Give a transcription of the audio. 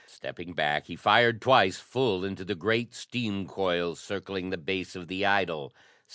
Stepping back he fired twice full into the great steam coil circling the base of the idol.